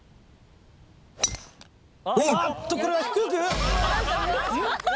おっとこれは低くん？